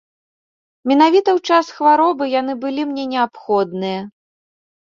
Менавіта ў час хваробы яны былі мне неабходныя.